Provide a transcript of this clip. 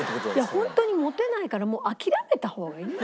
本当にモテないからもう諦めた方がいい。